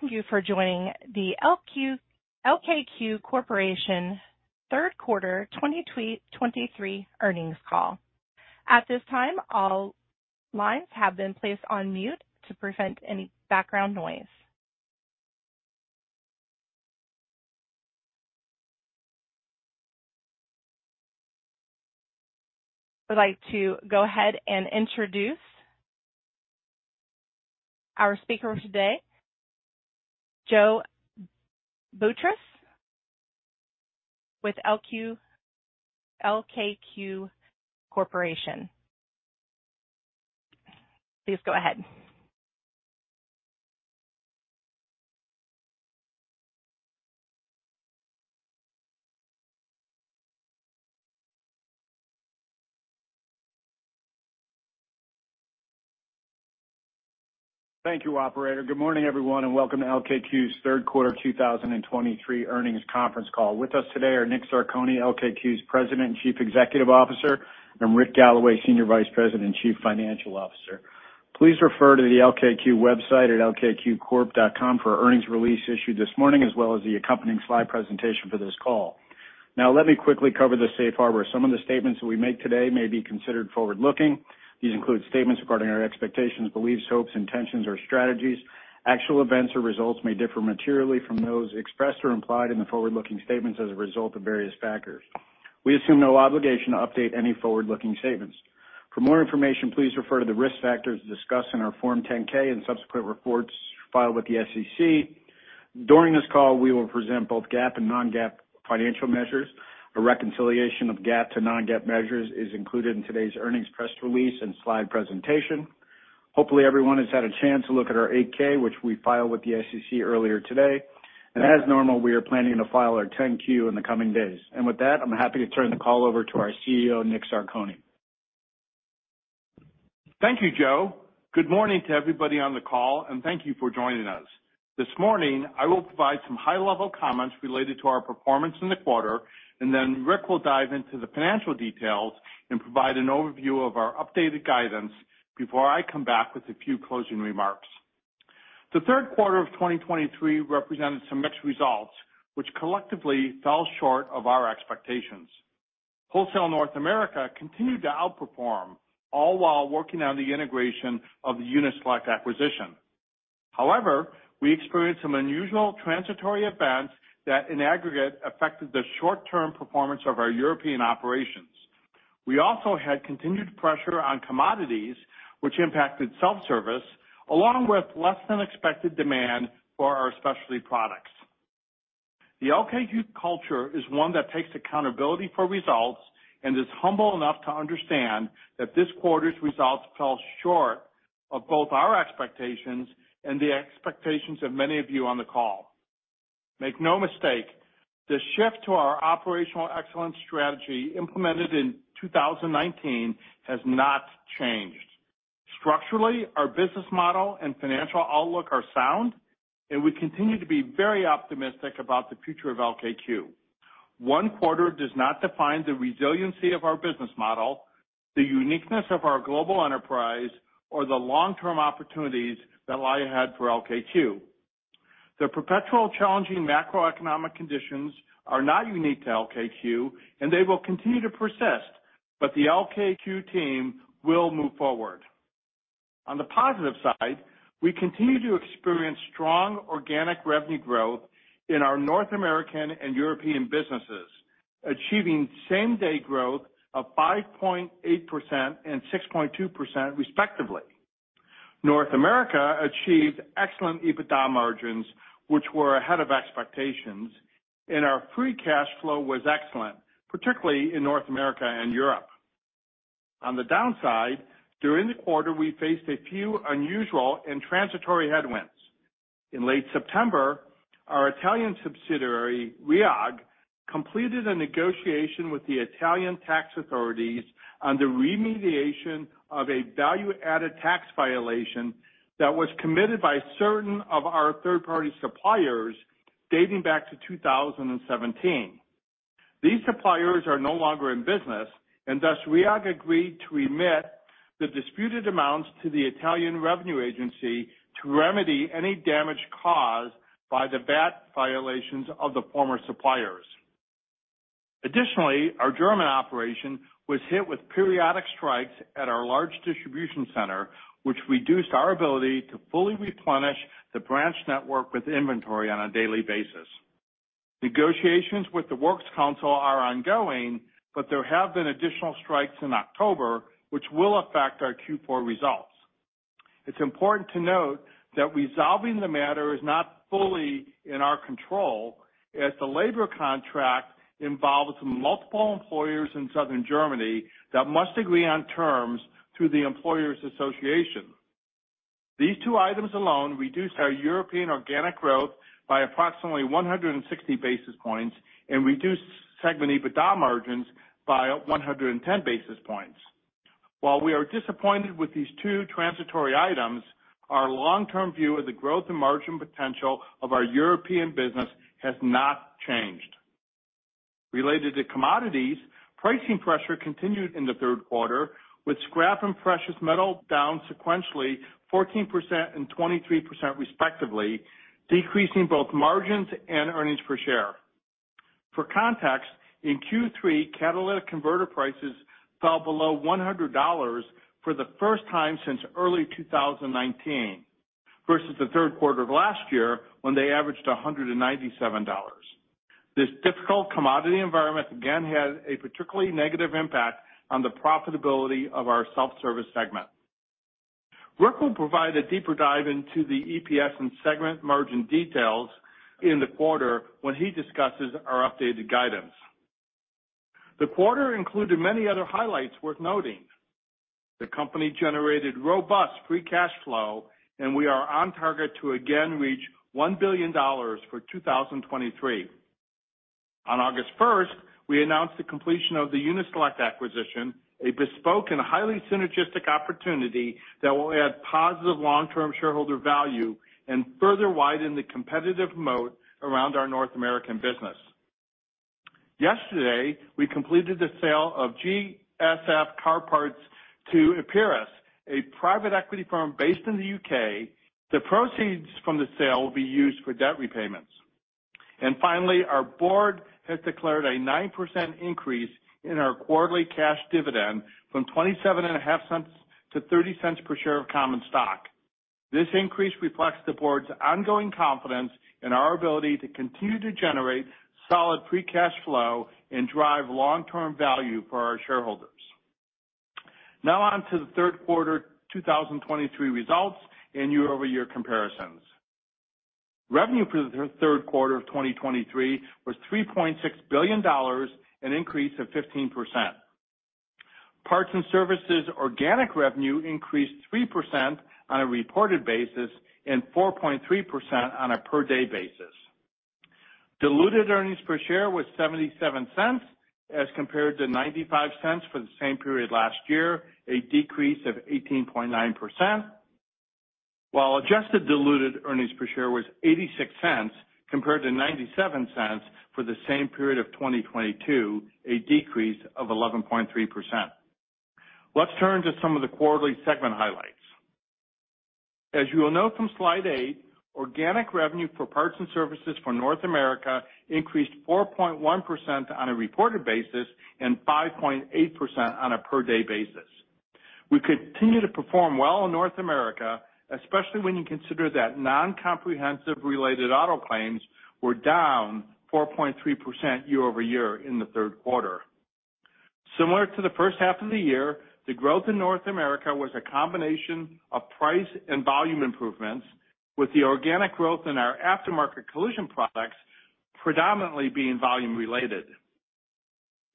Thank you for joining the LKQ Corporation third quarter 2023 earnings call. At this time, all lines have been placed on mute to prevent any background noise. I'd like to go ahead and introduce our speaker today, Joe Boutross, with LKQ Corporation. Please go ahead. Thank you, operator. Good morning, everyone, and welcome to LKQ's third quarter 2023 earnings conference call. With us today are Nick Zarcone, LKQ's President and Chief Executive Officer, and Rick Galloway, Senior Vice President and Chief Financial Officer. Please refer to the LKQ website at lkqcorp.com for our earnings release issued this morning, as well as the accompanying slide presentation for this call. Now, let me quickly cover the safe harbor. Some of the statements that we make today may be considered forward-looking. These include statements regarding our expectations, beliefs, hopes, intentions, or strategies. Actual events or results may differ materially from those expressed or implied in the forward-looking statements as a result of various factors. We assume no obligation to update any forward-looking statements. For more information, please refer to the risk factors discussed in our Form 10-K and subsequent reports filed with the SEC. During this call, we will present both GAAP and non-GAAP financial measures. A reconciliation of GAAP to non-GAAP measures is included in today's earnings press release and slide presentation. Hopefully, everyone has had a chance to look at our 8-K, which we filed with the SEC earlier today, and as normal, we are planning to file our 10-Q in the coming days. With that, I'm happy to turn the call over to our CEO, Nick Zarcone. Thank you, Joe. Good morning to everybody on the call, and thank you for joining us. This morning, I will provide some high-level comments related to our performance in the quarter, and then Rick will dive into the financial details and provide an overview of our updated guidance before I come back with a few closing remarks. The third quarter of 2023 represented some mixed results, which collectively fell short of our expectations. Wholesale North America continued to outperform, all while working on the integration of the Uni-Select acquisition. However, we experienced some unusual transitory events that, in aggregate, affected the short-term performance of our European operations. We also had continued pressure on commodities, which impacted self-service, along with less than expected demand for our specialty products. The LKQ culture is one that takes accountability for results and is humble enough to understand that this quarter's results fell short of both our expectations and the expectations of many of you on the call. Make no mistake, the shift to our operational excellence strategy, implemented in 2019, has not changed. Structurally, our business model and financial outlook are sound, and we continue to be very optimistic about the future of LKQ. One quarter does not define the resiliency of our business model, the uniqueness of our global enterprise, or the long-term opportunities that lie ahead for LKQ. The perpetual challenging macroeconomic conditions are not unique to LKQ, and they will continue to persist, but the LKQ team will move forward. On the positive side, we continue to experience strong organic revenue growth in our North American and European businesses, achieving same-day growth of 5.8% and 6.2%, respectively. North America achieved excellent EBITDA margins, which were ahead of expectations, and our free cash flow was excellent, particularly in North America and Europe. On the downside, during the quarter, we faced a few unusual and transitory headwinds. In late September, our Italian subsidiary, RHIAG, completed a negotiation with the Italian tax authorities on the remediation of a value-added tax violation that was committed by certain of our third-party suppliers dating back to 2017. These suppliers are no longer in business, and thus, RHIAG agreed to remit the disputed amounts to the Italian Revenue Agency to remedy any damage caused by the VAT violations of the former suppliers. Additionally, our German operation was hit with periodic strikes at our large distribution center, which reduced our ability to fully replenish the branch network with inventory on a daily basis. Negotiations with the Works Council are ongoing, but there have been additional strikes in October, which will affect our Q4 results. It's important to note that resolving the matter is not fully in our control, as the labor contract involves multiple employers in Southern Germany that must agree on terms through the Employers' Association. These two items alone reduced our European organic growth by approximately 160 basis points and reduced segment EBITDA margins by 110 basis points. While we are disappointed with these two transitory items, our long-term view of the growth and margin potential of our European business has not changed.... Related to commodities, pricing pressure continued in the third quarter, with scrap and precious metal down sequentially 14% and 23% respectively, decreasing both margins and earnings per share. For context, in Q3, catalytic converter prices fell below $100 for the first time since early 2019, versus the third quarter of last year, when they averaged $197. This difficult commodity environment again had a particularly negative impact on the profitability of our self-service segment. Rick will provide a deeper dive into the EPS and segment margin details in the quarter when he discusses our updated guidance. The quarter included many other highlights worth noting. The company generated robust free cash flow, and we are on target to again reach $1 billion for 2023. On August first, we announced the completion of the Uni-Select acquisition, a bespoke and highly synergistic opportunity that will add positive long-term shareholder value and further widen the competitive moat around our North American business. Yesterday, we completed the sale of GSF Car Parts to Auctus, a private equity firm based in the UK. The proceeds from the sale will be used for debt repayments. And finally, our board has declared a 9% increase in our quarterly cash dividend from $0.275 to $0.30 per share of common stock. This increase reflects the board's ongoing confidence in our ability to continue to generate solid free cash flow and drive long-term value for our shareholders. Now on to the third quarter 2023 results and year-over-year comparisons. Revenue for the third quarter of 2023 was $3.6 billion, an increase of 15%. Parts and services organic revenue increased 3% on a reported basis and 4.3% on a per-day basis. Diluted earnings per share was $0.77, as compared to $0.95 for the same period last year, a decrease of 18.9%. While adjusted diluted earnings per share was $0.86, compared to $0.97 for the same period of 2022, a decrease of 11.3%. Let's turn to some of the quarterly segment highlights. As you will note from slide 8, organic revenue for parts and services for North America increased 4.1% on a reported basis and 5.8% on a per-day basis. We continue to perform well in North America, especially when you consider that non-comprehensive related auto claims were down 4.3% year-over-year in the third quarter. Similar to the first half of the year, the growth in North America was a combination of price and volume improvements, with the organic growth in our aftermarket collision products predominantly being volume-related.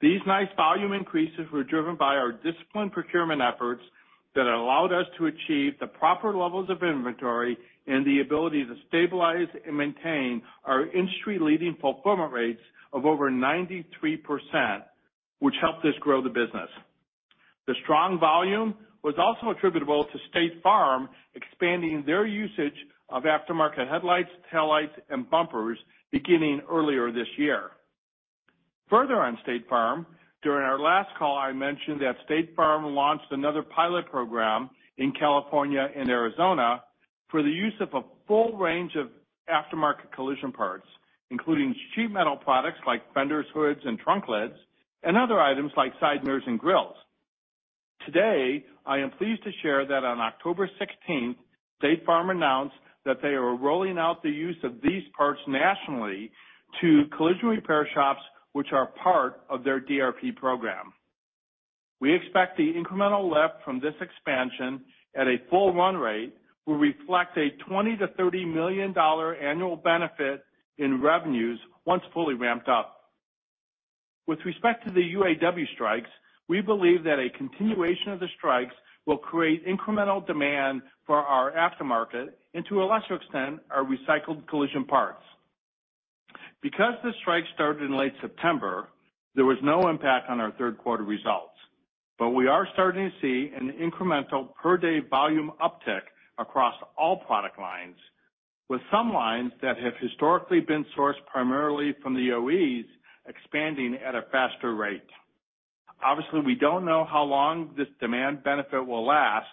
These nice volume increases were driven by our disciplined procurement efforts that allowed us to achieve the proper levels of inventory and the ability to stabilize and maintain our industry-leading fulfillment rates of over 93%, which helped us grow the business. The strong volume was also attributable to State Farm expanding their usage of aftermarket headlights, taillights, and bumpers beginning earlier this year. Further on State Farm, during our last call, I mentioned that State Farm launched another pilot program in California and Arizona for the use of a full range of aftermarket collision parts, including sheet metal products like fenders, hoods, and trunk lids, and other items like side mirrors and grilles. Today, I am pleased to share that on October 16th, State Farm announced that they are rolling out the use of these parts nationally to collision repair shops, which are part of their DRP program. We expect the incremental lift from this expansion at a full run rate will reflect a $20-$30 million annual benefit in revenues once fully ramped up. With respect to the UAW strikes, we believe that a continuation of the strikes will create incremental demand for our aftermarket and, to a lesser extent, our recycled collision parts. Because the strike started in late September, there was no impact on our third quarter results, but we are starting to see an incremental per-day volume uptick across all product lines, with some lines that have historically been sourced primarily from the OEs expanding at a faster rate. Obviously, we don't know how long this demand benefit will last,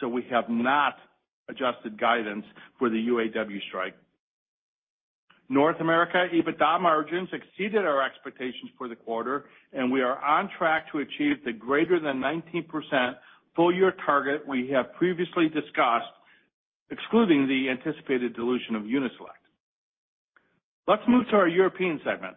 so we have not adjusted guidance for the UAW strike. North America EBITDA margins exceeded our expectations for the quarter, and we are on track to achieve the greater than 19% full-year target we have previously discussed, excluding the anticipated dilution of Uni-Select. Let's move to our European segment.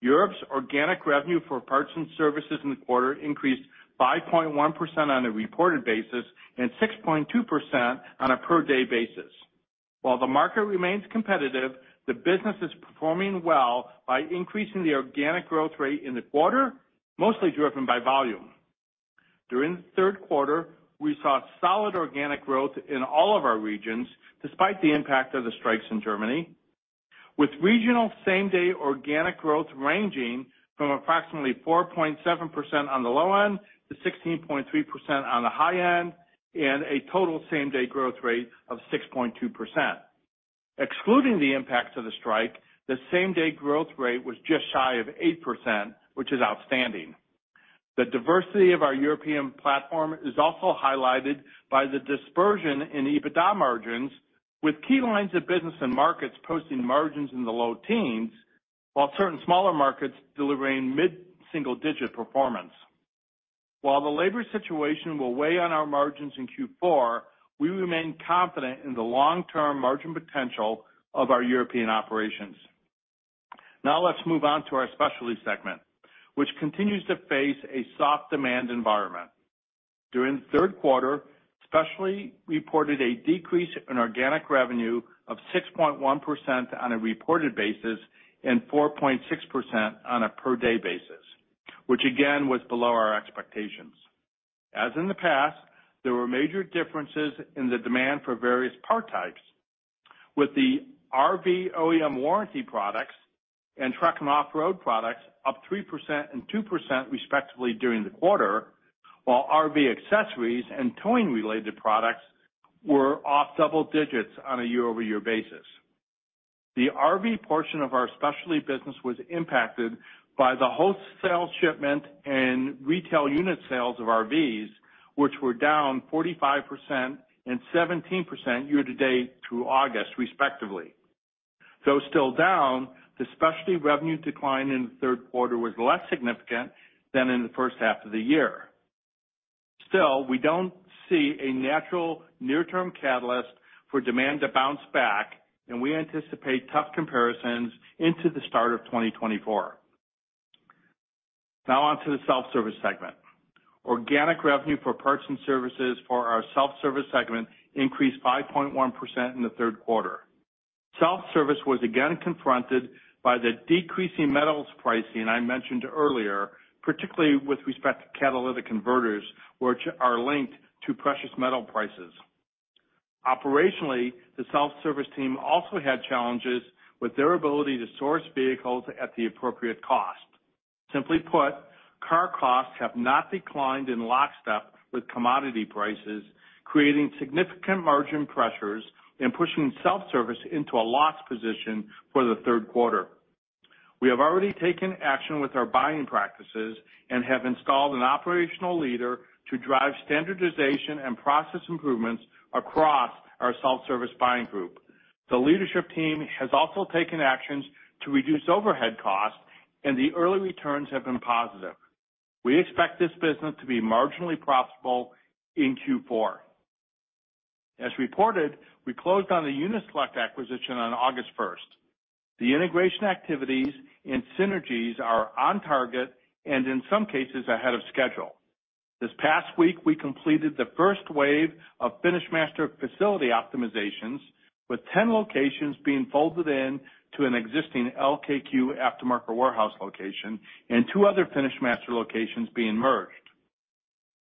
Europe's organic revenue for parts and services in the quarter increased 5.1% on a reported basis and 6.2% on a per-day basis. While the market remains competitive, the business is performing well by increasing the organic growth rate in the quarter, mostly driven by volume. During the third quarter, we saw solid organic growth in all of our regions, despite the impact of the strikes in Germany, with regional same-day organic growth ranging from approximately 4.7% on the low end to 16.3% on the high end, and a total same-day growth rate of 6.2%. Excluding the impacts of the strike, the same-day growth rate was just shy of 8%, which is outstanding.... The diversity of our European platform is also highlighted by the dispersion in EBITDA margins, with key lines of business and markets posting margins in the low teens, while certain smaller markets delivering mid-single-digit performance. While the labor situation will weigh on our margins in Q4, we remain confident in the long-term margin potential of our European operations. Now let's move on to our specialty segment, which continues to face a soft demand environment. During the third quarter, specialty reported a decrease in organic revenue of 6.1% on a reported basis and 4.6% on a per-day basis, which again, was below our expectations. As in the past, there were major differences in the demand for various part types, with the RV OEM warranty products and truck and off-road products up 3% and 2%, respectively, during the quarter, while RV accessories and towing-related products were off double digits on a year-over-year basis. The RV portion of our specialty business was impacted by the wholesale shipment and retail unit sales of RVs, which were down 45% and 17% year-to-date through August, respectively. Though still down, the specialty revenue decline in the third quarter was less significant than in the first half of the year. Still, we don't see a natural near-term catalyst for demand to bounce back, and we anticipate tough comparisons into the start of 2024. Now on to the self-service segment. Organic revenue for parts and services for our self-service segment increased 5.1% in the third quarter. Self-service was again confronted by the decreasing metals pricing I mentioned earlier, particularly with respect to catalytic converters, which are linked to precious metal prices. Operationally, the self-service team also had challenges with their ability to source vehicles at the appropriate cost. Simply put, car costs have not declined in lockstep with commodity prices, creating significant margin pressures and pushing self-service into a loss position for the third quarter. We have already taken action with our buying practices and have installed an operational leader to drive standardization and process improvements across our self-service buying group. The leadership team has also taken actions to reduce overhead costs, and the early returns have been positive. We expect this business to be marginally profitable in Q4. As reported, we closed on the Uni-Select acquisition on August 1. The integration activities and synergies are on target and, in some cases, ahead of schedule. This past week, we completed the first wave of FinishMaster facility optimizations, with 10 locations being folded in to an existing LKQ aftermarket warehouse location and two other FinishMaster locations being merged.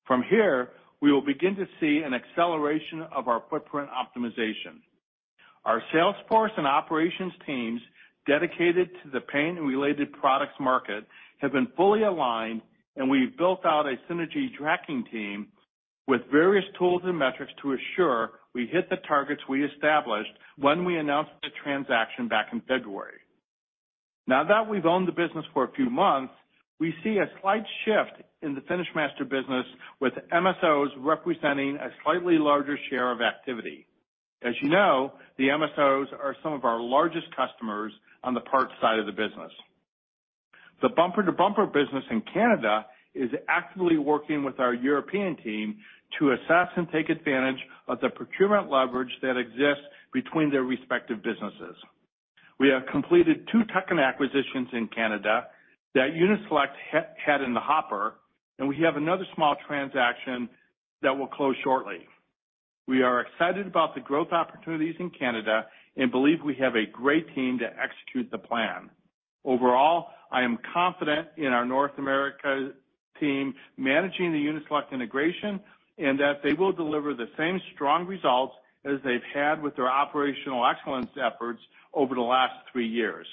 From here, we will begin to see an acceleration of our footprint optimization. Our sales force and operations teams dedicated to the paint and related products market have been fully aligned, and we've built out a synergy tracking team with various tools and metrics to assure we hit the targets we established when we announced the transaction back in February. Now that we've owned the business for a few months, we see a slight shift in the FinishMaster business, with MSOs representing a slightly larger share of activity. As you know, the MSOs are some of our largest customers on the parts side of the business. The Bumper to Bumper business in Canada is actively working with our European team to assess and take advantage of the procurement leverage that exists between their respective businesses. We have completed two tuck-in acquisitions in Canada that Uni-Select had in the hopper, and we have another small transaction that will close shortly. We are excited about the growth opportunities in Canada and believe we have a great team to execute the plan. Overall, I am confident in our North America team managing the Uni-Select integration and that they will deliver the same strong results as they've had with their operational excellence efforts over the last three years.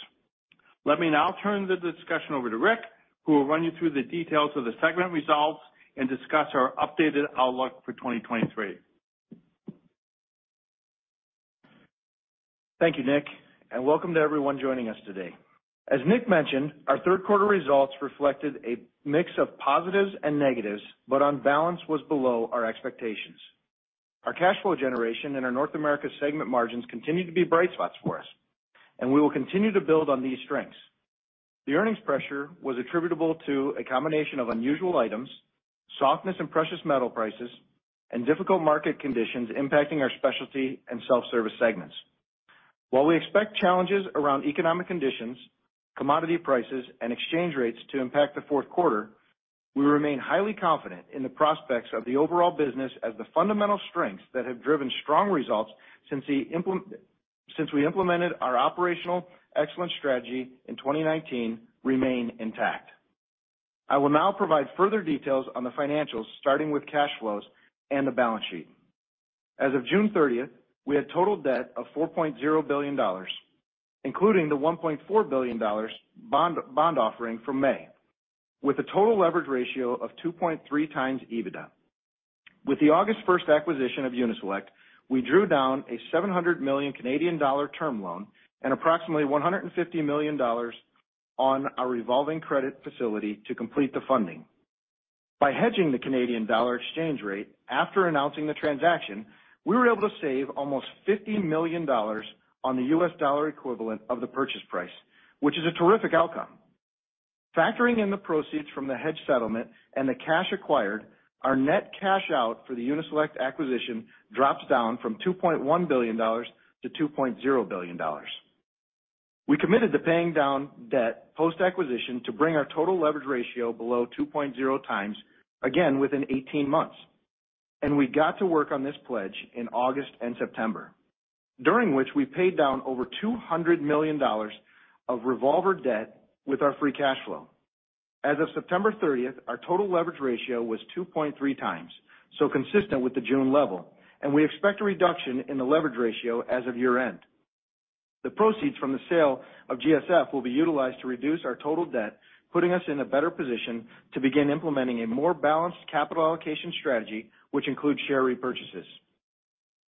Let me now turn the discussion over to Rick, who will run you through the details of the segment results and discuss our updated outlook for 2023. Thank you, Nick, and welcome to everyone joining us today. As Nick mentioned, our third quarter results reflected a mix of positives and negatives, but on balance, was below our expectations. Our cash flow generation and our North America segment margins continue to be bright spots for us, and we will continue to build on these strengths. The earnings pressure was attributable to a combination of unusual items, softness in precious metal prices, and difficult market conditions impacting our specialty and self-service segments. While we expect challenges around economic conditions, commodity prices, and exchange rates to impact the fourth quarter, we remain highly confident in the prospects of the overall business as the fundamental strengths that have driven strong results since we implemented our operational excellence strategy in 2019 remain intact. I will now provide further details on the financials, starting with cash flows and the balance sheet. As of June 30, we had total debt of $4.0 billion, including the $1.4 billion bond offering from May, with a total leverage ratio of 2.3x EBITDA. With the August 1 acquisition of Uni-Select, we drew down a 700 million Canadian dollar term loan and approximately $150 million on our revolving credit facility to complete the funding. By hedging the Canadian dollar exchange rate after announcing the transaction, we were able to save almost $50 million on the US dollar equivalent of the purchase price, which is a terrific outcome. Factoring in the proceeds from the hedge settlement and the cash acquired, our net cash out for the Uni-Select acquisition drops down from $2.1 billion to $2.0 billion. We committed to paying down debt post-acquisition to bring our total leverage ratio below 2.0x, again, within 18 months, and we got to work on this pledge in August and September, during which we paid down over $200 million of revolver debt with our free cash flow. As of September 30th, our total leverage ratio was 2.3x, so consistent with the June level, and we expect a reduction in the leverage ratio as of year-end. The proceeds from the sale of GSF will be utilized to reduce our total debt, putting us in a better position to begin implementing a more balanced capital allocation strategy, which includes share repurchases.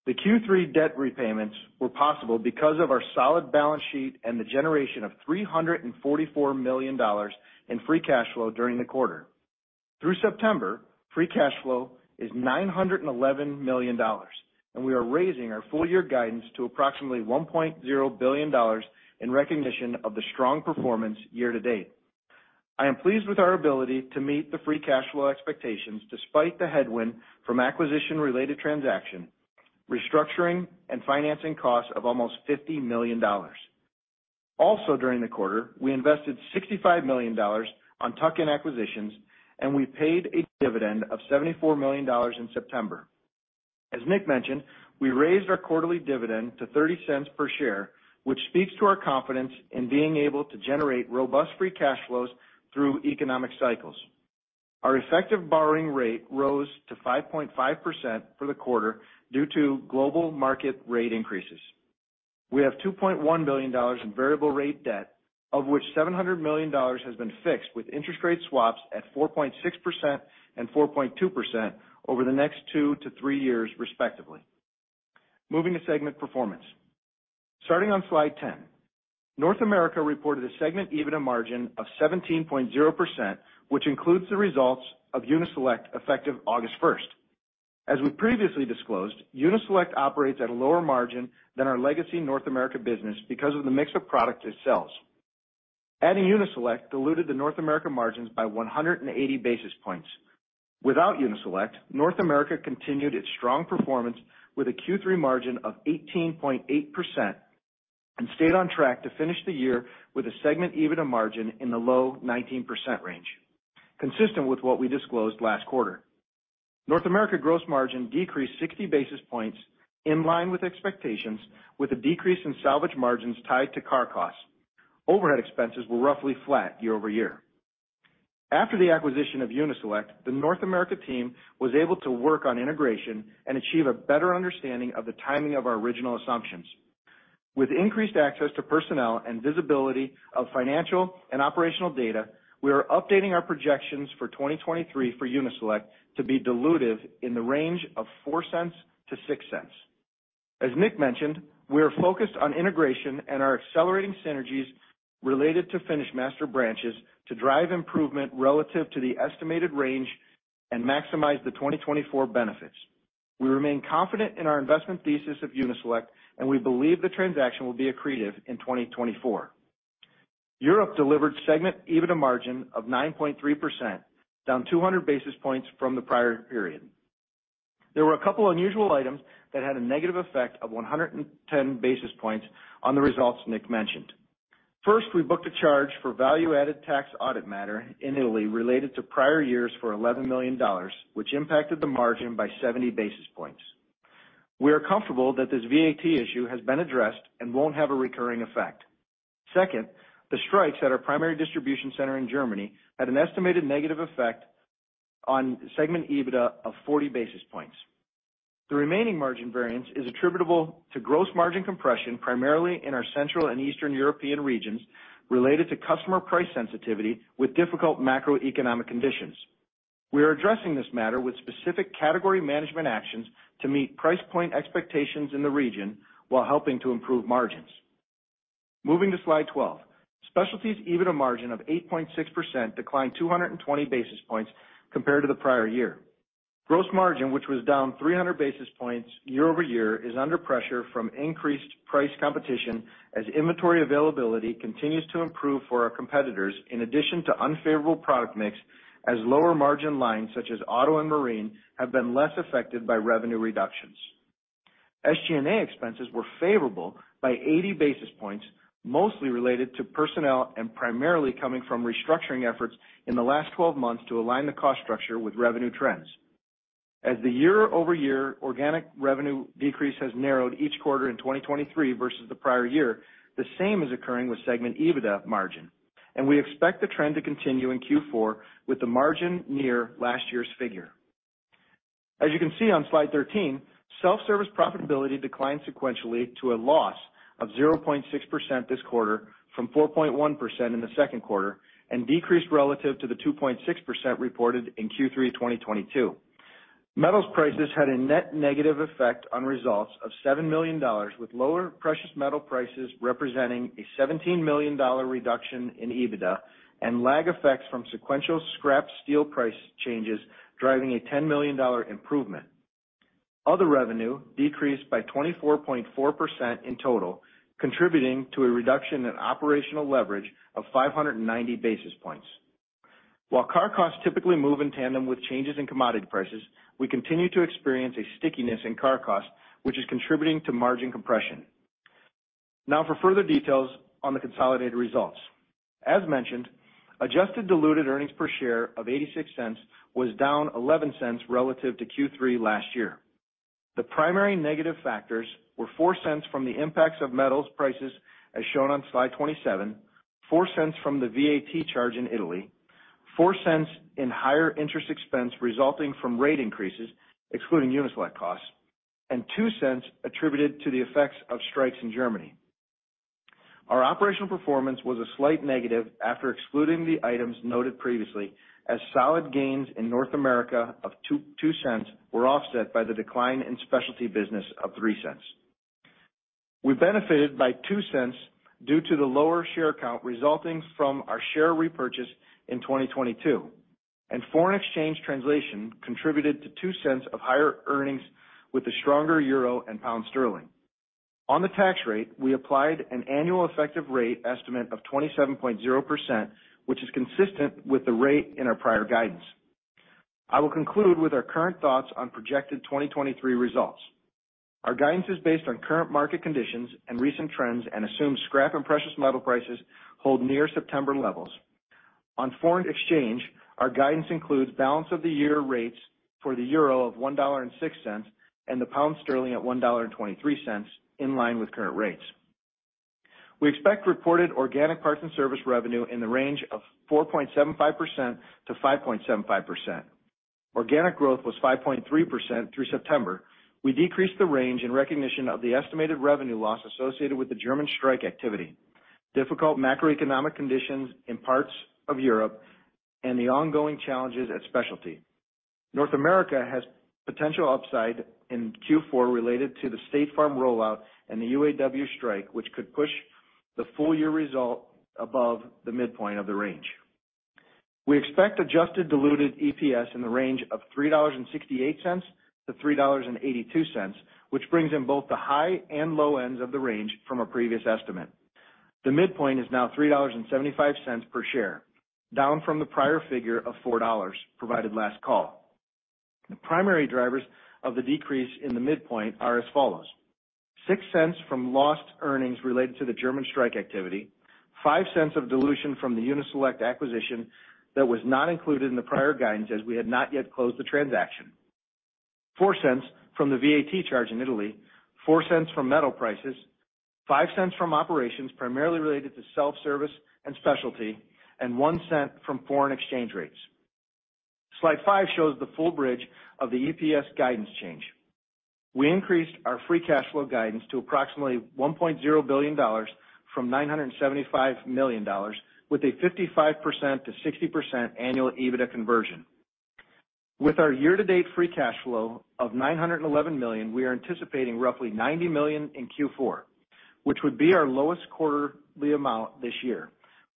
The Q3 debt repayments were possible because of our solid balance sheet and the generation of $344 million in free cash flow during the quarter. Through September, free cash flow is $911 million, and we are raising our full year guidance to approximately $1.0 billion in recognition of the strong performance year to date. I am pleased with our ability to meet the free cash flow expectations, despite the headwind from acquisition-related transaction, restructuring and financing costs of almost $50 million. Also, during the quarter, we invested $65 million on tuck-in acquisitions, and we paid a dividend of $74 million in September. As Nick mentioned, we raised our quarterly dividend to $0.30 per share, which speaks to our confidence in being able to generate robust free cash flows through economic cycles. Our effective borrowing rate rose to 5.5% for the quarter due to global market rate increases. We have $2.1 billion in variable rate debt, of which $700 million has been fixed, with interest rate swaps at 4.6% and 4.2% over the next two to three years, respectively. Moving to segment performance. Starting on slide 10, North America reported a segment EBITDA margin of 17.0%, which includes the results of Uni-Select, effective August 1. As we previously disclosed, Uni-Select operates at a lower margin than our legacy North America business because of the mix of product it sells. Adding Uni-Select diluted the North America margins by 180 basis points. Without Uni-Select, North America continued its strong performance with a Q3 margin of 18.8% and stayed on track to finish the year with a segment EBITDA margin in the low 19% range, consistent with what we disclosed last quarter. North America gross margin decreased 60 basis points, in line with expectations, with a decrease in salvage margins tied to car costs. Overhead expenses were roughly flat year-over-year. After the acquisition of Uni-Select, the North America team was able to work on integration and achieve a better understanding of the timing of our original assumptions. With increased access to personnel and visibility of financial and operational data, we are updating our projections for 2023 for Uni-Select to be dilutive in the range of $0.04-$0.06. As Nick mentioned, we are focused on integration and are accelerating synergies related to FinishMaster branches to drive improvement relative to the estimated range and maximize the 2024 benefits. We remain confident in our investment thesis of Uni-Select, and we believe the transaction will be accretive in 2024. Europe delivered segment EBITDA margin of 9.3%, down 200 basis points from the prior period. There were a couple of unusual items that had a negative effect of 110 basis points on the results Nick mentioned. First, we booked a charge for value-added tax audit matter in Italy related to prior years for $11 million, which impacted the margin by 70 basis points. We are comfortable that this VAT issue has been addressed and won't have a recurring effect. Second, the strikes at our primary distribution center in Germany had an estimated negative effect on segment EBITDA of 40 basis points. The remaining margin variance is attributable to gross margin compression, primarily in our Central and Eastern European regions, related to customer price sensitivity with difficult macroeconomic conditions. We are addressing this matter with specific category management actions to meet price point expectations in the region while helping to improve margins. Moving to slide 12. Specialties EBITDA margin of 8.6% declined 220 basis points compared to the prior year. Gross margin, which was down 300 basis points year-over-year, is under pressure from increased price competition as inventory availability continues to improve for our competitors, in addition to unfavorable product mix, as lower margin lines, such as auto and marine, have been less affected by revenue reductions. SG&A expenses were favorable by 80 basis points, mostly related to personnel and primarily coming from restructuring efforts in the last 12 months to align the cost structure with revenue trends. As the year-over-year organic revenue decrease has narrowed each quarter in 2023 versus the prior year, the same is occurring with segment EBITDA margin, and we expect the trend to continue in Q4 with the margin near last year's figure. As you can see on slide 13-... Self-service profitability declined sequentially to a loss of 0.6% this quarter, from 4.1% in the second quarter, and decreased relative to the 2.6% reported in Q3 2022. Metals prices had a net negative effect on results of $7 million, with lower precious metal prices representing a $17 million reduction in EBITDA, and lag effects from sequential scrap steel price changes driving a $10 million improvement. Other revenue decreased by 24.4% in total, contributing to a reduction in operational leverage of 590 basis points. While car costs typically move in tandem with changes in commodity prices, we continue to experience a stickiness in car costs, which is contributing to margin compression. Now for further details on the consolidated results. As mentioned, adjusted diluted earnings per share of $0.86 was down $0.11 relative to Q3 last year. The primary negative factors were $0.04 from the impacts of metals prices, as shown on slide 27, $0.04 from the VAT charge in Italy, $0.04 in higher interest expense resulting from rate increases, excluding Uni-Select costs, and $0.02 attributed to the effects of strikes in Germany. Our operational performance was a slight negative after excluding the items noted previously, as solid gains in North America of $0.022 were offset by the decline in specialty business of $0.03. We benefited by $0.02 due to the lower share count resulting from our share repurchase in 2022, and foreign exchange translation contributed to $0.02 of higher earnings with the stronger euro and pound sterling. On the tax rate, we applied an annual effective rate estimate of 27.0%, which is consistent with the rate in our prior guidance. I will conclude with our current thoughts on projected 2023 results. Our guidance is based on current market conditions and recent trends and assumes scrap and precious metal prices hold near September levels. On foreign exchange, our guidance includes balance of the year rates for the euro of $1.06, and the pound sterling at $1.23, in line with current rates. We expect reported organic parts and service revenue in the range of 4.75%-5.75%. Organic growth was 5.3% through September. We decreased the range in recognition of the estimated revenue loss associated with the German strike activity, difficult macroeconomic conditions in parts of Europe, and the ongoing challenges at specialty. North America has potential upside in Q4 related to the State Farm rollout and the UAW strike, which could push the full year result above the midpoint of the range. We expect adjusted diluted EPS in the range of $3.68-$3.82, which brings in both the high and low ends of the range from our previous estimate. The midpoint is now $3.75 per share, down from the prior figure of $4 provided last call. The primary drivers of the decrease in the midpoint are as follows: $0.06 from lost earnings related to the German strike activity, $0.05 of dilution from the Uni-Select acquisition that was not included in the prior guidance as we had not yet closed the transaction, $0.04 from the VAT charge in Italy, $0.04 from metal prices, $0.05 from operations primarily related to self-service and specialty, and $0.01 from foreign exchange rates. Slide 5 shows the full bridge of the EPS guidance change. We increased our free cash flow guidance to approximately $1.0 billion from $975 million, with a 55%-60% annual EBITDA conversion. With our year-to-date free cash flow of $911 million, we are anticipating roughly $90 million in Q4, which would be our lowest quarterly amount this year.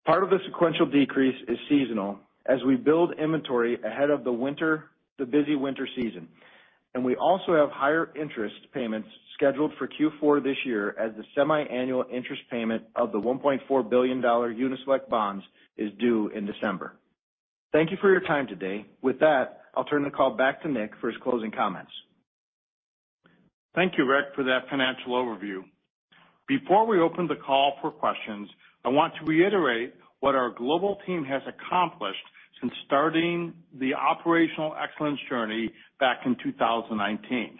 Part of the sequential decrease is seasonal as we build inventory ahead of the winter, the busy winter season, and we also have higher interest payments scheduled for Q4 this year as the semiannual interest payment of the $1.4 billion Uni-Select bonds is due in December. Thank you for your time today. With that, I'll turn the call back to Nick for his closing comments. Thank you, Rick, for that financial overview. Before we open the call for questions, I want to reiterate what our global team has accomplished since starting the operational excellence journey back in 2019.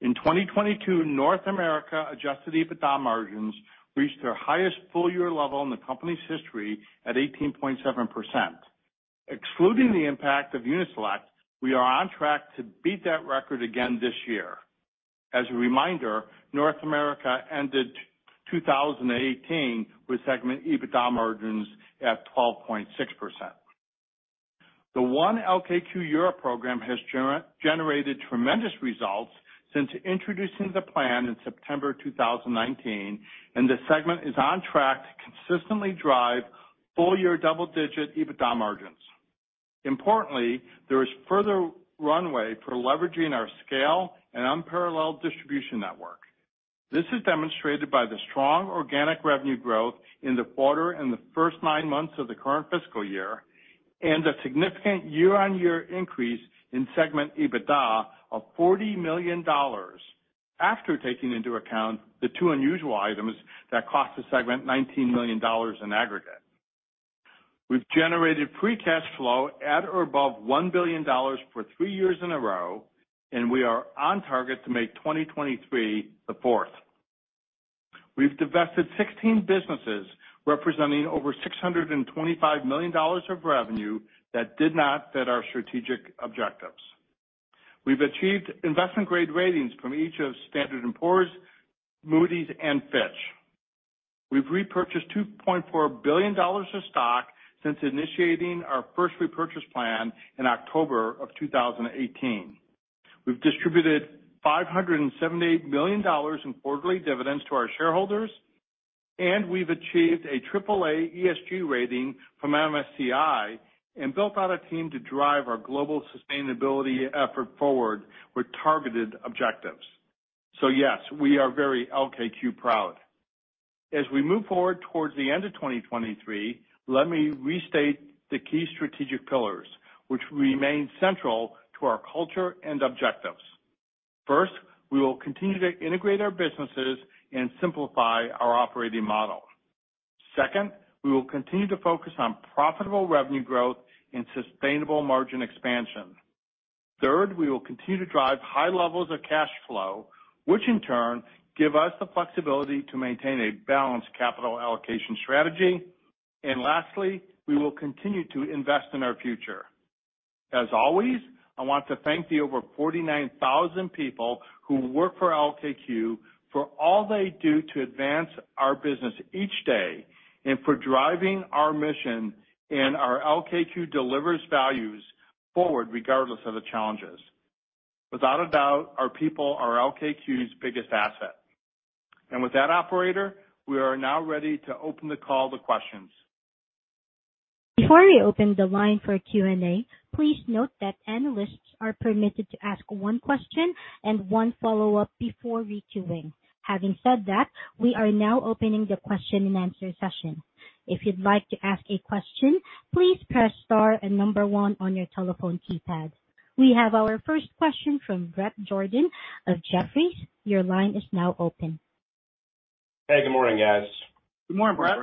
In 2022, North America adjusted EBITDA margins reached their highest full-year level in the company's history at 18.7%. Excluding the impact of Uni-Select, we are on track to beat that record again this year. As a reminder, North America ended 2018 with segment EBITDA margins at 12.6%. The One LKQ Europe program has generated tremendous results since introducing the plan in September 2019, and the segment is on track to consistently drive full-year double-digit EBITDA margins. Importantly, there is further runway for leveraging our scale and unparalleled distribution network. This is demonstrated by the strong organic revenue growth in the quarter and the first nine months of the current fiscal year, and a significant year-on-year increase in segment EBITDA of $40 million, after taking into account the two unusual items that cost the segment $19 million in aggregate. We've generated free cash flow at or above $1 billion for three years in a row, and we are on target to make 2023 the fourth.... We've divested 16 businesses, representing over $625 million of revenue that did not fit our strategic objectives. We've achieved investment-grade ratings from each of Standard & Poor's, Moody's, and Fitch. We've repurchased $2.4 billion of stock since initiating our first repurchase plan in October of 2018. We've distributed $578 million in quarterly dividends to our shareholders, and we've achieved a triple A ESG rating from MSCI and built out a team to drive our global sustainability effort forward with targeted objectives. So yes, we are very LKQ proud. As we move forward towards the end of 2023, let me restate the key strategic pillars, which remain central to our culture and objectives. First, we will continue to integrate our businesses and simplify our operating model. Second, we will continue to focus on profitable revenue growth and sustainable margin expansion. Third, we will continue to drive high levels of cash flow, which in turn give us the flexibility to maintain a balanced capital allocation strategy. And lastly, we will continue to invest in our future. As always, I want to thank the over 49,000 people who work for LKQ for all they do to advance our business each day, and for driving our mission and our LKQ Delivers values forward, regardless of the challenges. Without a doubt, our people are LKQ's biggest asset. With that, operator, we are now ready to open the call to questions. Before I open the line for Q&A, please note that analysts are permitted to ask one question and one follow-up before re-queuing. Having said that, we are now opening the question and answer session. If you'd like to ask a question, please press star and number one on your telephone keypad. We have our first question from Bret Jordan of Jefferies. Your line is now open. Hey, good morning, guys. Good morning, Bret.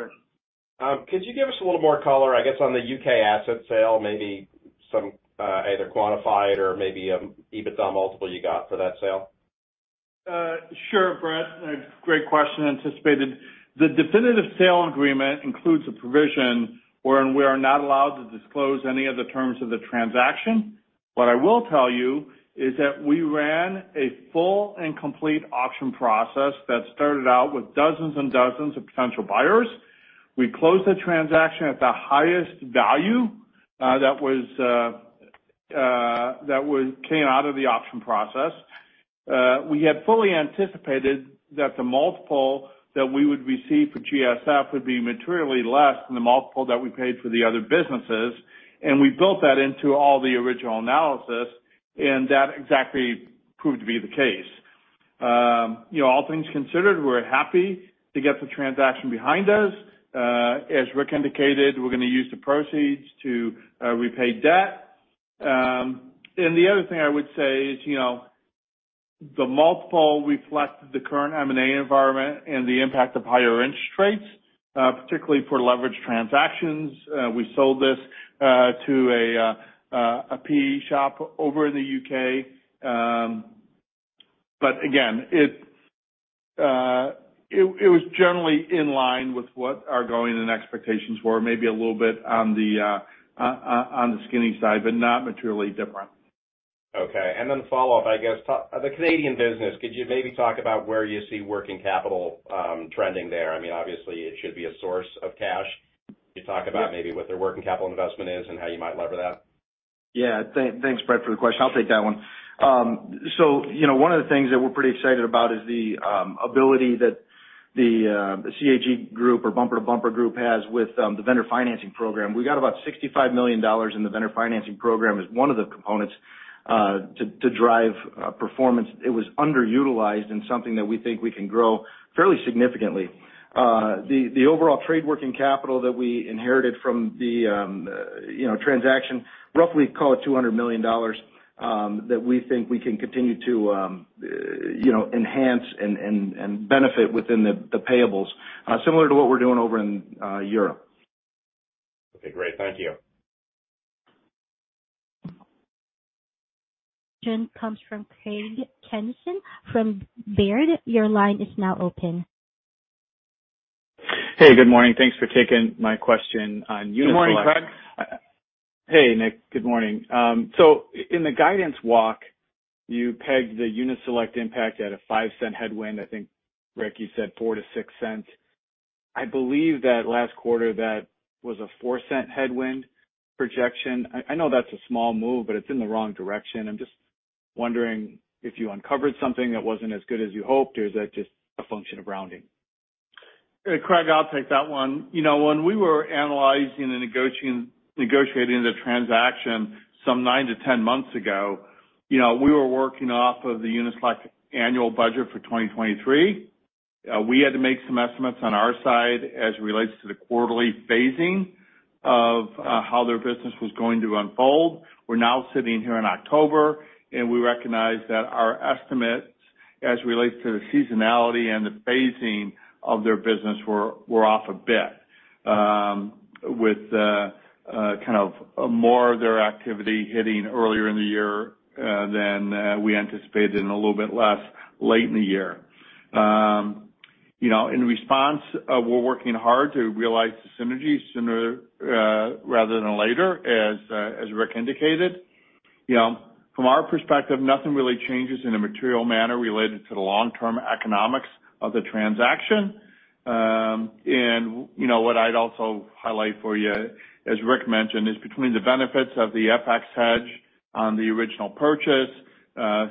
Could you give us a little more color, I guess, on the UK asset sale, maybe some, either quantified or maybe, EBITDA multiple you got for that sale? Sure, Bret. Great question, anticipated. The definitive sale agreement includes a provision wherein we are not allowed to disclose any of the terms of the transaction. What I will tell you is that we ran a full and complete auction process that started out with dozens and dozens of potential buyers. We closed the transaction at the highest value that came out of the auction process. We had fully anticipated that the multiple that we would receive for GSF would be materially less than the multiple that we paid for the other businesses, and we built that into all the original analysis, and that exactly proved to be the case. You know, all things considered, we're happy to get the transaction behind us. As Rick indicated, we're gonna use the proceeds to repay debt. The other thing I would say is, you know, the multiple reflects the current M&A environment and the impact of higher interest rates, particularly for leveraged transactions. We sold this to a PE shop over in the U.K. But again, it was generally in line with what our going and expectations were, maybe a little bit on the skinny side, but not materially different. Okay. And then follow-up, I guess, the Canadian business, could you maybe talk about where you see working capital trending there? I mean, obviously, it should be a source of cash. Could you talk about maybe what their working capital investment is and how you might leverage that? Yeah. Thanks, Bret, for the question. I'll take that one. So, you know, one of the things that we're pretty excited about is the ability that the CAG group or Bumper to Bumper group has with the vendor financing program. We got about $65 million in the vendor financing program as one of the components to drive performance. It was underutilized and something that we think we can grow fairly significantly. The overall trade working capital that we inherited from the, you know, transaction, roughly call it $200 million, that we think we can continue to, you know, enhance and benefit within the payables, similar to what we're doing over in Europe. Okay, great. Thank you.... comes from Craig Kennison from Baird. Your line is now open. Hey, good morning. Thanks for taking my question on Uni-Select. Good morning, Craig. Hey, Nick, good morning. In the guidance walk, you pegged the Uni-Select impact at a $0.05 headwind. I think, Rick, you said $0.04-$0.06. I believe that last quarter that was a $0.04 headwind projection. I know that's a small move, but it's in the wrong direction. I'm just wondering if you uncovered something that wasn't as good as you hoped, or is that just a function of rounding? Craig, I'll take that one. You know, when we were analyzing and negotiating the transaction some nine to 10 months ago, you know, we were working off of the Uni-Select annual budget for 2023. We had to make some estimates on our side as it relates to the quarterly phasing of, how their business was going to unfold. We're now sitting here in October, and we recognize that our estimates as it relates to the seasonality and the phasing of their business were off a bit, with kind of more of their activity hitting earlier in the year than we anticipated, and a little bit less late in the year. You know, in response, we're working hard to realize the synergies sooner rather than later, as Rick indicated. You know, from our perspective, nothing really changes in a material manner related to the long-term economics of the transaction. You know, what I'd also highlight for you, as Rick mentioned, is between the benefits of the FX hedge on the original purchase,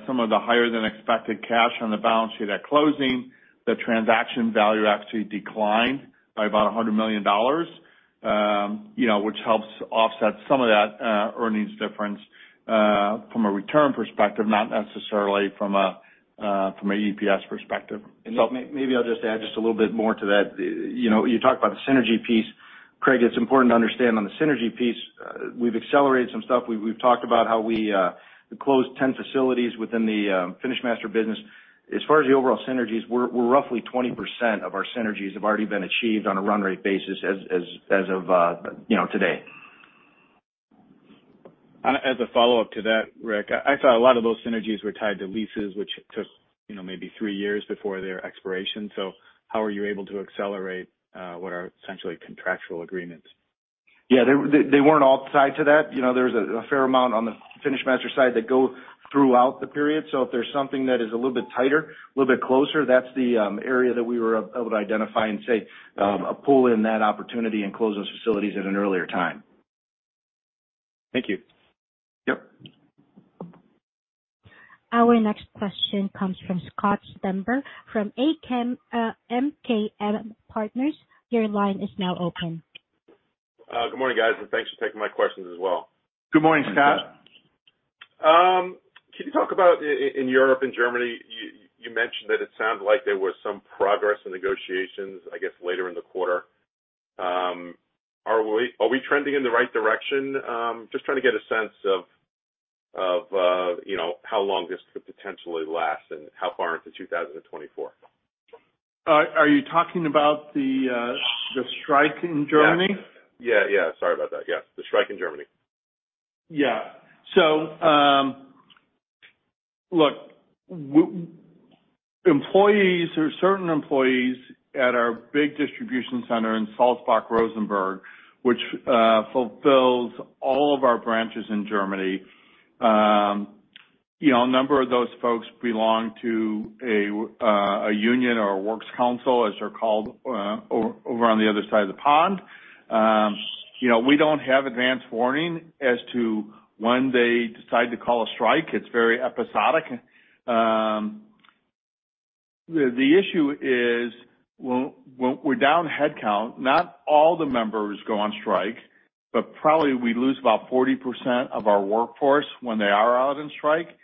some of the higher than expected cash on the balance sheet at closing, the transaction value actually declined by about $100 million, you know, which helps offset some of that, earnings difference, from a return perspective, not necessarily from a, from a EPS perspective. And so maybe I'll just add just a little bit more to that. You know, you talked about the synergy piece. Craig, it's important to understand, on the synergy piece, we've accelerated some stuff. We've talked about how we closed 10 facilities within the FinishMaster business. As far as the overall synergies, we're roughly 20% of our synergies have already been achieved on a run rate basis as of, you know, today. As a follow-up to that, Rick, I saw a lot of those synergies were tied to leases, which took, you know, maybe three years before their expiration. So how are you able to accelerate what are essentially contractual agreements? Yeah, they weren't all tied to that. You know, there's a fair amount on the FinishMaster side that go throughout the period. So if there's something that is a little bit tighter, a little bit closer, that's the area that we were able to identify and say, pull in that opportunity and close those facilities at an earlier time. Thank you. Yep. Our next question comes from Scott Stember from MKM Partners. Your line is now open. Good morning, guys, and thanks for taking my questions as well. Good morning, Scott. Can you talk about in Europe and Germany, you mentioned that it sounded like there was some progress in negotiations, I guess, later in the quarter? Are we trending in the right direction? Just trying to get a sense of you know, how long this could potentially last and how far into 2024. Are you talking about the strike in Germany? Yes. Yeah, yeah, sorry about that. Yeah, the strike in Germany. Yeah. So, look, employees or certain employees at our big distribution center in Sulzbach-Rosenberg, which fulfills all of our branches in Germany, you know, a number of those folks belong to a union or a works council, as they're called, over on the other side of the pond. You know, we don't have advanced warning as to when they decide to call a strike. It's very episodic. The issue is, when we're down headcount, not all the members go on strike, but probably we lose about 40% of our workforce when they are out on strike,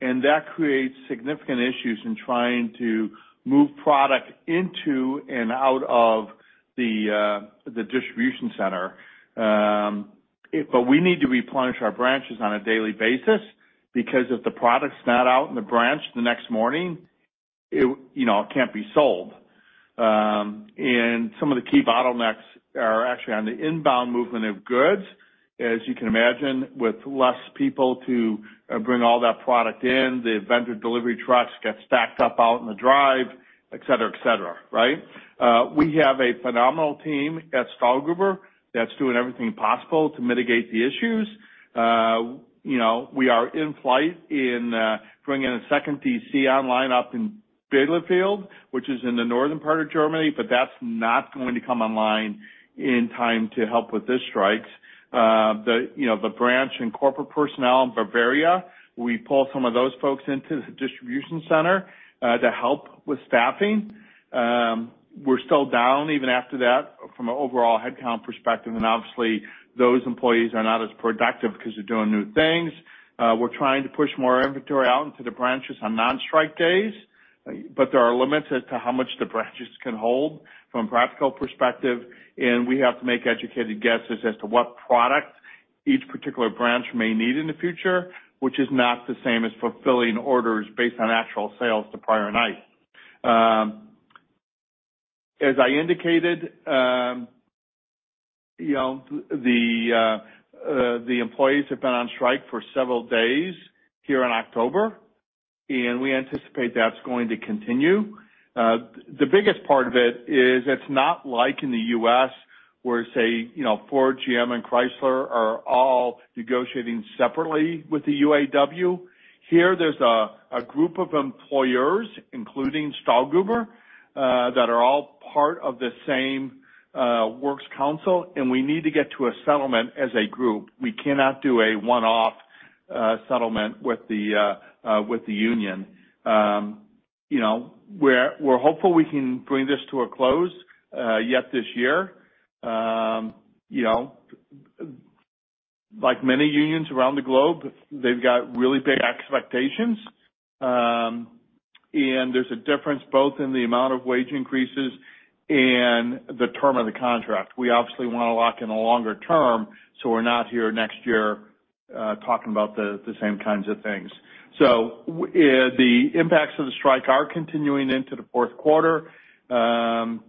and that creates significant issues in trying to move product into and out of the distribution center. We need to replenish our branches on a daily basis, because if the product's not out in the branch the next morning, it, you know, it can't be sold. Some of the key bottlenecks are actually on the inbound movement of goods. As you can imagine, with less people to bring all that product in, the vendor delivery trucks get stacked up out in the drive, et cetera, et cetera, right? We have a phenomenal team at Stahlgruber that's doing everything possible to mitigate the issues. You know, we are in flight in bringing a second DC online up in Bielefeld, which is in the northern part of Germany, but that's not going to come online in time to help with this strike. The, you know, the branch and corporate personnel in Bavaria, we pull some of those folks into the distribution center to help with staffing. We're still down, even after that, from an overall headcount perspective, and obviously, those employees are not as productive because they're doing new things. We're trying to push more inventory out into the branches on non-strike days, but there are limits as to how much the branches can hold from a practical perspective, and we have to make educated guesses as to what product each particular branch may need in the future, which is not the same as fulfilling orders based on actual sales the prior night. As I indicated, you know, the employees have been on strike for several days here in October, and we anticipate that's going to continue. The biggest part of it is it's not like in the U.S., where, say, you know, Ford, GM, and Chrysler are all negotiating separately with the UAW. Here, there's a group of employers, including Stahlgruber, that are all part of the same Works Council, and we need to get to a settlement as a group. We cannot do a one-off settlement with the union. You know, we're hopeful we can bring this to a close yet this year. You know, like many unions around the globe, they've got really big expectations, and there's a difference both in the amount of wage increases and the term of the contract. We obviously want to lock in a longer term, so we're not here next year- ... talking about the, the same kinds of things. So the impacts of the strike are continuing into the fourth quarter, and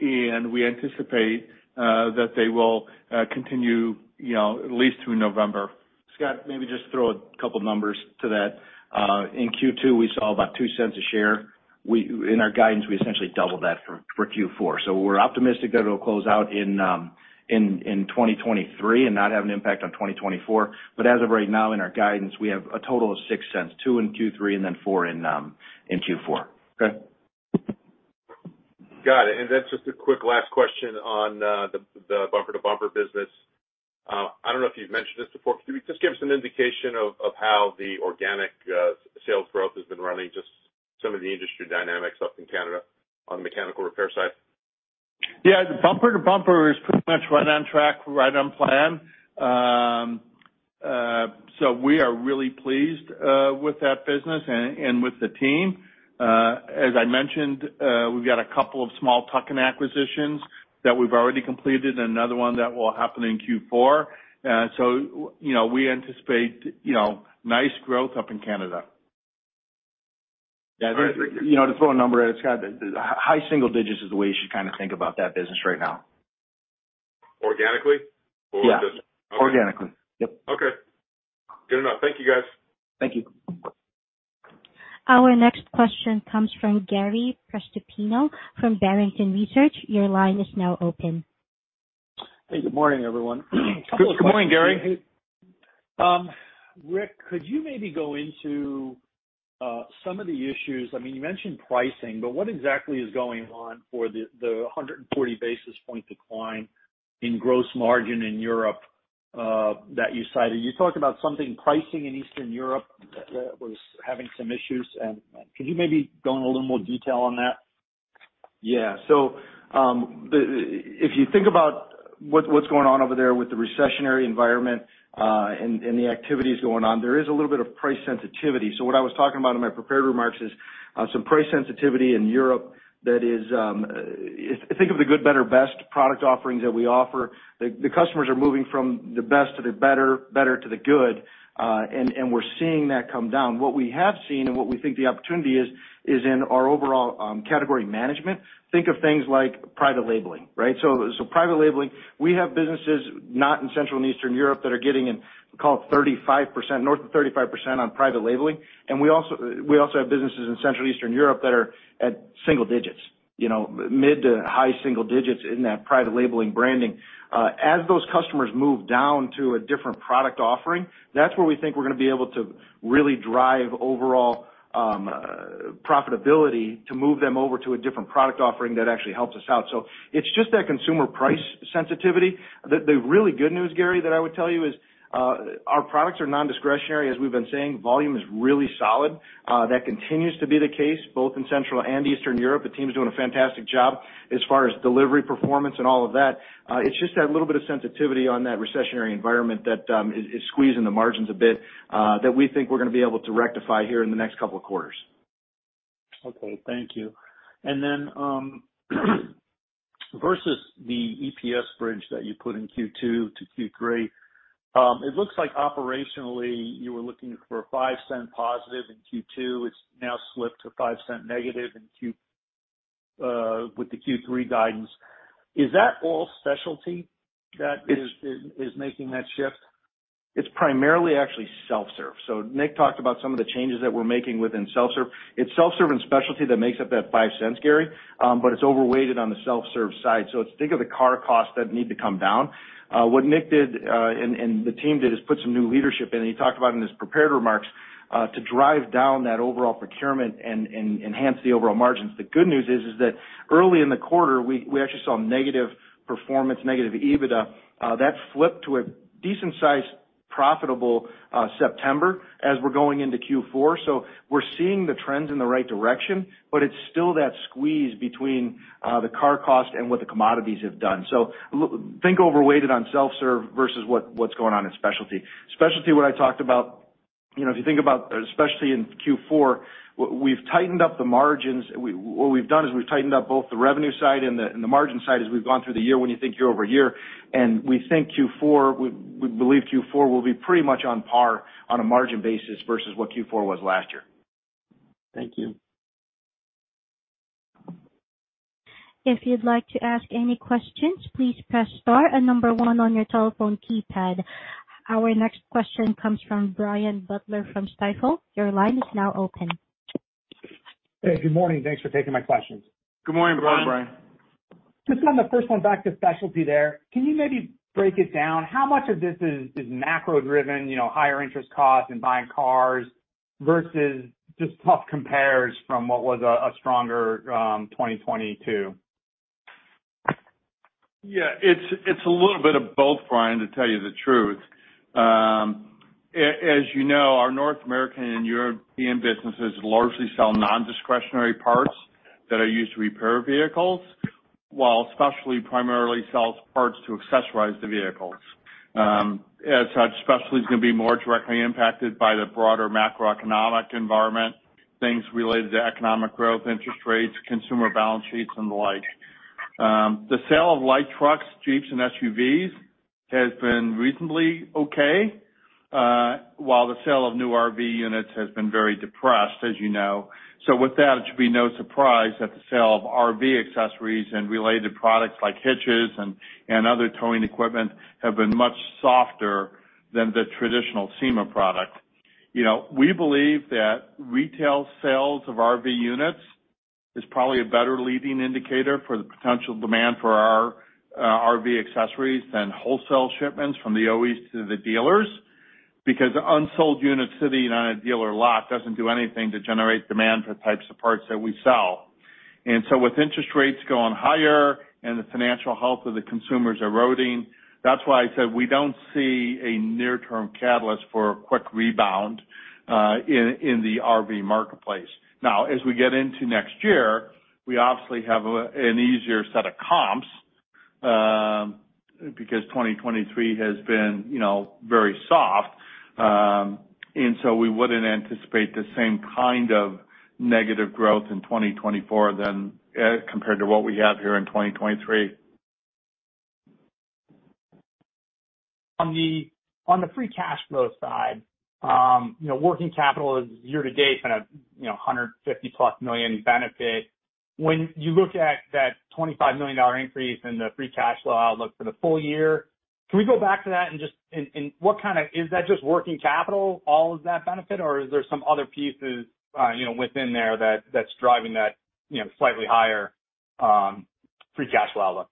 we anticipate that they will continue, you know, at least through November. Scott, maybe just throw a couple numbers to that. In Q2, we saw about $0.02 per share. In our guidance, we essentially doubled that for Q4. So we're optimistic that it'll close out in 2023 and not have an impact on 2024. But as of right now, in our guidance, we have a total of $0.06, $0.02 in Q3 and then $0.04 in Q4. Okay. Got it. And then just a quick last question on the Bumper to Bumper business. I don't know if you've mentioned this before, could you just give us an indication of how the organic sales growth has been running, just some of the industry dynamics up in Canada on the mechanical repair side? Yeah, the Bumper to Bumper is pretty much right on track, right on plan. So we are really pleased with that business and with the team. As I mentioned, we've got a couple of small tuck-in acquisitions that we've already completed, and another one that will happen in Q4. So, you know, we anticipate, you know, nice growth up in Canada. Yeah. You know, to throw a number at it, Scott, high single digits is the way you should kind of think about that business right now. Organically? Or just- Yeah, organically. Yep. Okay. Good enough. Thank you, guys. Thank you. Our next question comes from Gary Prestopino from Barrington Research. Your line is now open. Hey, good morning, everyone. Good morning, Gary. Rick, could you maybe go into some of the issues? I mean, you mentioned pricing, but what exactly is going on for the 140 basis point decline in gross margin in Europe that you cited? You talked about something, pricing in Eastern Europe, was having some issues. Could you maybe go into a little more detail on that? Yeah. So, if you think about what's going on over there with the recessionary environment, and the activities going on, there is a little bit of price sensitivity. So what I was talking about in my prepared remarks is some price sensitivity in Europe that is... Think of the good, better, best product offerings that we offer. The customers are moving from the best to the better, better to the good, and we're seeing that come down. What we have seen and what we think the opportunity is, is in our overall category management, think of things like private labeling, right? So private labeling, we have businesses not in Central and Eastern Europe that are getting in, call it 35%, north of 35% on private labeling. And we also have businesses in Central Eastern Europe that are at single digits, you know, mid to high single digits in that private labeling branding. As those customers move down to a different product offering, that's where we think we're gonna be able to really drive overall profitability to move them over to a different product offering that actually helps us out. So it's just that consumer price sensitivity. The really good news, Gary, that I would tell you is our products are non-discretionary. As we've been saying, volume is really solid. That continues to be the case both in Central and Eastern Europe. The team is doing a fantastic job as far as delivery, performance, and all of that. It's just that little bit of sensitivity on that recessionary environment that is squeezing the margins a bit that we think we're gonna be able to rectify here in the next couple of quarters. Okay, thank you. Then, versus the EPS bridge that you put in Q2 to Q3, it looks like operationally you were looking for a $0.05 positive in Q2. It's now slipped to $0.05 negative in Q3 with the Q3 guidance. Is that all specialty that is making that shift? It's primarily actually self-serve. So Nick talked about some of the changes that we're making within self-serve. It's self-serve and specialty that makes up that $0.05, Gary, but it's overweighted on the self-serve side. So just think of the car costs that need to come down. What Nick did, and the team did, is put some new leadership in, and he talked about in his prepared remarks to drive down that overall procurement and enhance the overall margins. The good news is that early in the quarter, we actually saw negative performance, negative EBITDA. That flipped to a decent-sized, profitable September as we're going into Q4. So we're seeing the trends in the right direction, but it's still that squeeze between the car cost and what the commodities have done. So I think overweighted on self-serve versus what, what's going on in specialty. Specialty, what I talked about, you know, if you think about, especially in Q4, we've tightened up the margins. What we've done is we've tightened up both the revenue side and the, and the margin side as we've gone through the year when you think year-over-year. And we think Q4, we believe Q4 will be pretty much on par on a margin basis versus what Q4 was last year. Thank you. If you'd like to ask any questions, please press star and number one on your telephone keypad. Our next question comes from Brian Butler from Stifel. Your line is now open. Hey, good morning. Thanks for taking my questions. Good morning, Brian. Good morning, Brian. Just on the first one, back to specialty there. Can you maybe break it down? How much of this is macro-driven, you know, higher interest costs in buying cars versus just tough compares from what was a stronger 2022? Yeah, it's a little bit of both, Brian, to tell you the truth. As you know, our North American and European businesses largely sell non-discretionary parts that are used to repair vehicles, while specialty primarily sells parts to accessorize the vehicles. As such, specialty is going to be more directly impacted by the broader macroeconomic environment, things related to economic growth, interest rates, consumer balance sheets, and the like.... The sale of light trucks, Jeeps, and SUVs has been reasonably okay, while the sale of new RV units has been very depressed, as you know. So with that, it should be no surprise that the sale of RV accessories and related products like hitches and other towing equipment have been much softer than the traditional SEMA product. You know, we believe that retail sales of RV units is probably a better leading indicator for the potential demand for our RV accessories than wholesale shipments from the OEs to the dealers, because unsold units sitting on a dealer lot doesn't do anything to generate demand for the types of parts that we sell. And so with interest rates going higher and the financial health of the consumers eroding, that's why I said we don't see a near-term catalyst for a quick rebound in the RV marketplace. Now, as we get into next year, we obviously have an easier set of comps because 2023 has been, you know, very soft. And so we wouldn't anticipate the same kind of negative growth in 2024 than compared to what we have here in 2023. On the, on the free cash flow side, you know, working capital is year to date, kind of, you know, a $150+ million benefit. When you look at that $25 million increase in the free cash flow outlook for the full year, can we go back to that and just and what kind of is that just working capital, all of that benefit, or is there some other pieces, you know, within there that that's driving that, you know, slightly higher free cash flow outlook?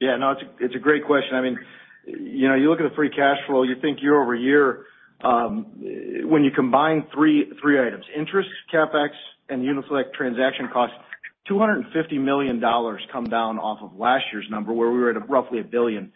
Yeah, no, it's a great question. I mean, you know, you look at the free cash flow, you think year-over-year, when you combine three, three items: interest, CapEx, and Uni-Select transaction costs, $250 million come down off of last year's number, where we were at roughly $1 billion.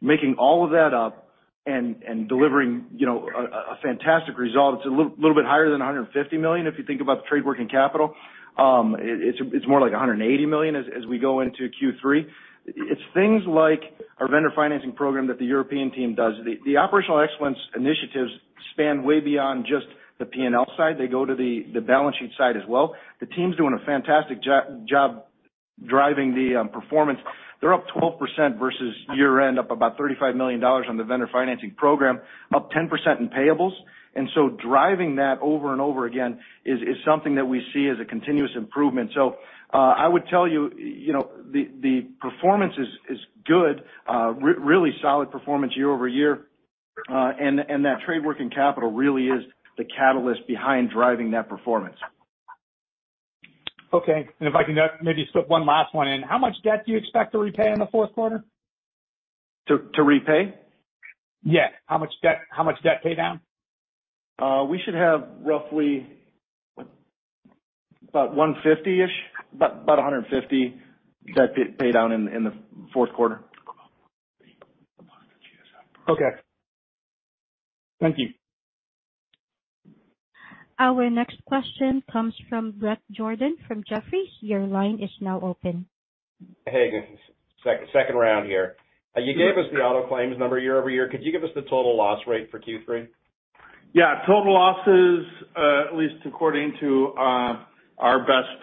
Making all of that up and delivering, you know, a fantastic result, it's a little bit higher than $150 million, if you think about the trade working capital. It's more like $180 million as we go into Q3. It's things like our vendor financing program that the European team does. The operational excellence initiatives span way beyond just the P&L side. They go to the balance sheet side as well. The team's doing a fantastic job driving the performance. They're up 12% versus year-end, up about $35 million on the vendor financing program, up 10% in payables. And so driving that over and over again is something that we see as a continuous improvement. So, I would tell you, you know, the performance is good, really solid performance year-over-year. And that trade working capital really is the catalyst behind driving that performance. Okay. If I can just maybe slip one last one in. How much debt do you expect to repay in the fourth quarter? To repay? Yeah. How much debt, how much debt pay down? We should have roughly what? About $150, about, about $150 debt pay down in the fourth quarter. Okay. Thank you. Our next question comes from Bret Jordan, from Jefferies. Your line is now open. Hey, second, second round here. You gave us the auto claims number year-over-year. Could you give us the total loss rate for Q3? Yeah. Total losses, at least according to our best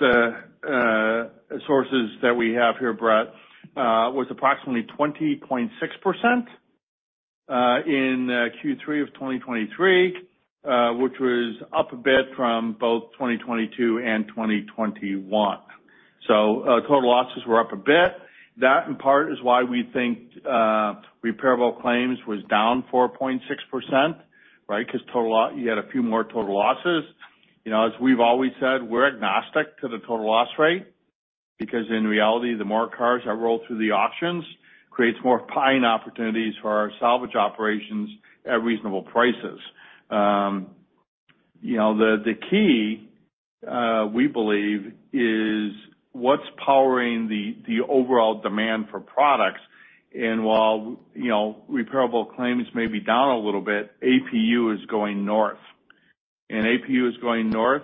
sources that we have here, Bret, was approximately 20.6% in Q3 of 2023, which was up a bit from both 2022 and 2021. So, total losses were up a bit. That, in part, is why we think repairable claims was down 4.6%, right? Because you had a few more total losses. You know, as we've always said, we're agnostic to the total loss rate, because in reality, the more cars that roll through the auctions creates more buying opportunities for our salvage operations at reasonable prices. You know, the key we believe is what's powering the overall demand for products. And while, you know, repairable claims may be down a little bit, APU is going north. APU is going north,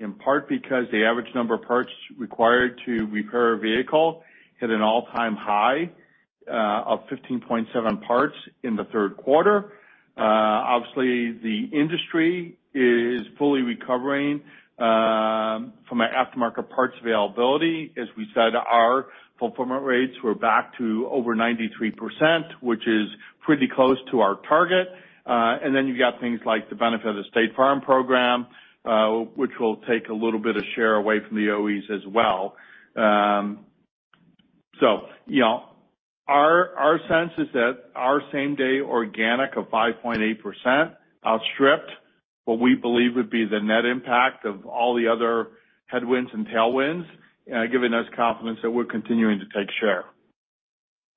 in part because the average number of parts required to repair a vehicle hit an all-time high of 15.7 parts in the third quarter. Obviously, the industry is fully recovering from an aftermarket parts availability. As we said, our fulfillment rates were back to over 93%, which is pretty close to our target. And then you've got things like the benefit of the State Farm program, which will take a little bit of share away from the OEs as well. So, you know, our sense is that our same-day organic of 5.8% outstripped what we believe would be the net impact of all the other headwinds and tailwinds, giving us confidence that we're continuing to take share.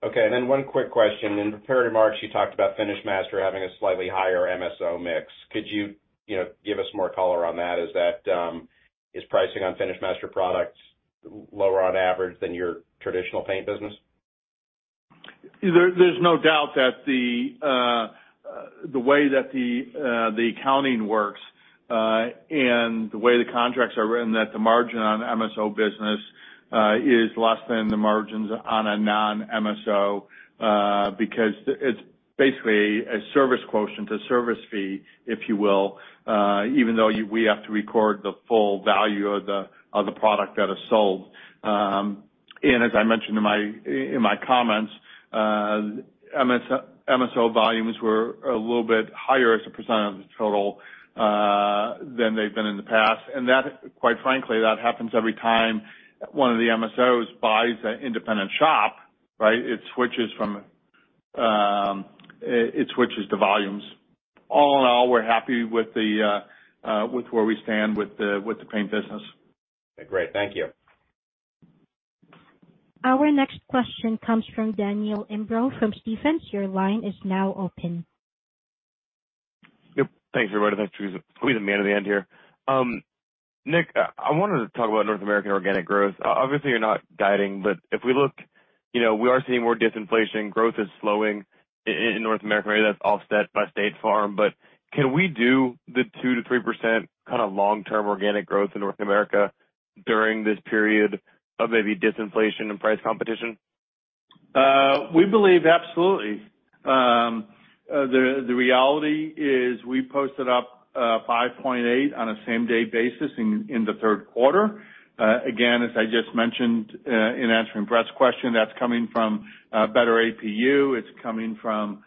Okay, and then one quick question. In prepared remarks, you talked about FinishMaster having a slightly higher MSO mix. Could you, you know, give us more color on that? Is that, is pricing on FinishMaster products lower on average than your traditional paint business? There's no doubt that the way that the accounting works and the way the contracts are written, that the margin on MSO business is less than the margins on a non-MSO, because it's basically a service quotient, a service fee, if you will, even though we have to record the full value of the product that is sold. And as I mentioned in my comments, MSO volumes were a little bit higher as a percent of the total than they've been in the past. And that, quite frankly, that happens every time one of the MSOs buys an independent shop, right? It switches from, it switches the volumes. All in all, we're happy with where we stand with the paint business. Great. Thank you. Our next question comes from Daniel Imbro from Stephens. Your line is now open. Yep. Thanks, everybody. Thanks, Theresa. Man of the end here. Nick, I wanted to talk about North American organic growth. Obviously, you're not guiding, but if we look, you know, we are seeing more disinflation. Growth is slowing in North America, maybe that's offset by State Farm. But can we do the 2%-3% kind of long-term organic growth in North America during this period of maybe disinflation and price competition? We believe absolutely. The reality is we posted up 5.8 on a same-day basis in the third quarter. Again, as I just mentioned, in answering Bret's question, that's coming from better APU. It's coming from,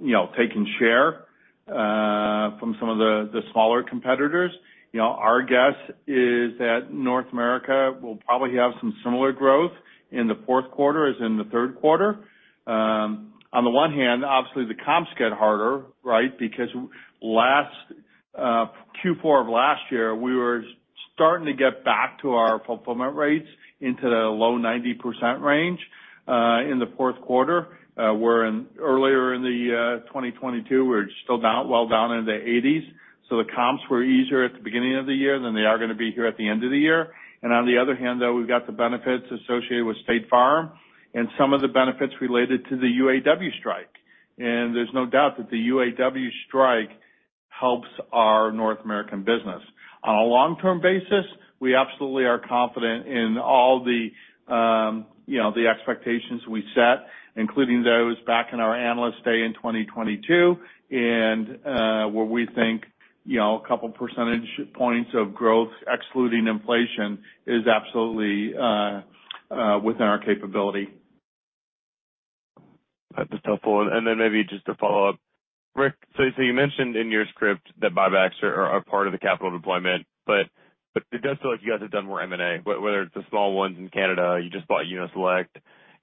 you know, taking share from some of the smaller competitors. You know, our guess is that North America will probably have some similar growth in the fourth quarter as in the third quarter. On the one hand, obviously, the comps get harder, right? Because last Q4 of last year, we were starting to get back to our fulfillment rates into the low 90% range in the fourth quarter. Earlier in 2022, we're still down, well down in the 80s. So the comps were easier at the beginning of the year than they are gonna be here at the end of the year. And on the other hand, though, we've got the benefits associated with State Farm and some of the benefits related to the UAW strike. And there's no doubt that the UAW strike helps our North American business. On a long-term basis, we absolutely are confident in all the, you know, the expectations we set, including those back in our Analyst Day in 2022, and where we think, you know, a couple percentage points of growth, excluding inflation, is absolutely within our capability. That's helpful. And then maybe just to follow up. Rick, so you mentioned in your script that buybacks are part of the capital deployment, but it does feel like you guys have done more M&A, whether it's the small ones in Canada, you just bought Uni-Select.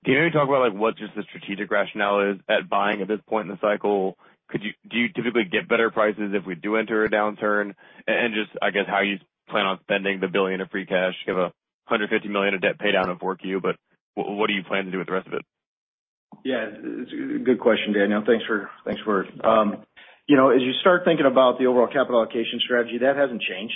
Can you talk about, like, what just the strategic rationale is at buying at this point in the cycle? Could you do you typically get better prices if we do enter a downturn? And just, I guess, how you plan on spending the $1 billion of free cash. You have $150 million of debt paydown before Q, but what do you plan to do with the rest of it? Yeah, it's a good question, Daniel. Thanks for... You know, as you start thinking about the overall capital allocation strategy, that hasn't changed.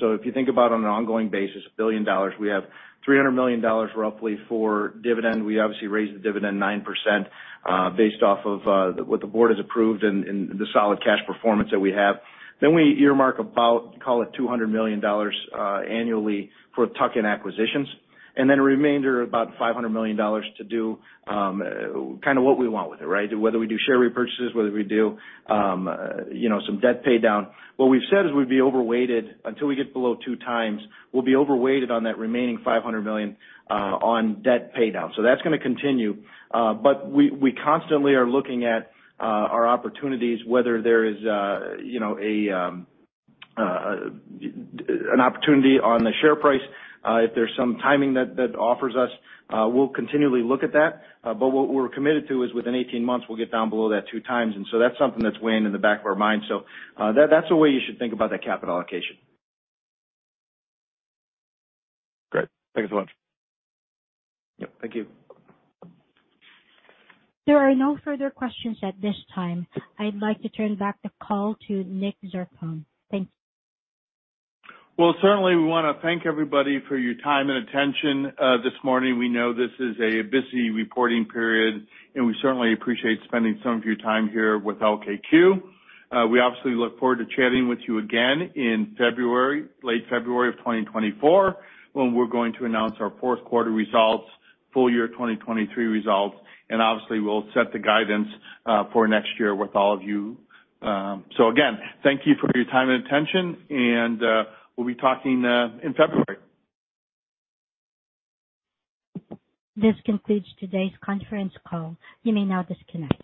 So if you think about on an ongoing basis, $1 billion, we have roughly $300 million for dividend. We obviously raised the dividend 9%, based off of what the board has approved and the solid cash performance that we have. Then we earmark about, call it $200 million, annually for tuck-in acquisitions, and then a remainder of about $500 million to do, kind of what we want with it, right? Whether we do share repurchases, whether we do, you know, some debt paydown. What we've said is we'd be overweighted until we get below 2x, we'll be overweighted on that remaining $500 million, on debt paydown. So that's gonna continue. But we constantly are looking at our opportunities, whether there is a, you know, an opportunity on the share price. If there's some timing that offers us, we'll continually look at that. But what we're committed to is within 18 months, we'll get down below that 2x, and so that's something that's weighing in the back of our mind. So, that's the way you should think about that capital allocation. Great. Thank you so much. Yep, thank you. There are no further questions at this time. I'd like to turn back the call to Nick Zarcone. Thank you. Well, certainly, we wanna thank everybody for your time and attention, this morning. We know this is a busy reporting period, and we certainly appreciate spending some of your time here with LKQ. We obviously look forward to chatting with you again in February, late February of 2024, when we're going to announce our fourth quarter results, full year 2023 results, and obviously, we'll set the guidance, for next year with all of you. So again, thank you for your time and attention, and, we'll be talking, in February. This concludes today's conference call. You may now disconnect.